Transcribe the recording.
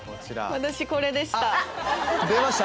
私これでした。